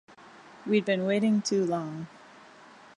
We'd been waiting too long.